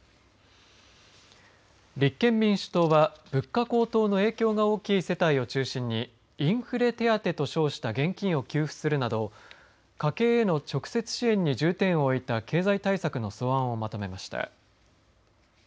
立憲民主党は物価高騰の影響が大きい世帯を中心にインフレ手当と称した現金を給付するなど家計への直接支援に重点を置いた経済対策の素案をまとめました。